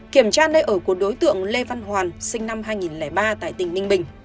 kiểm tra nơi ở của đối tượng lê văn hoàn sinh năm hai nghìn ba tại tỉnh ninh bình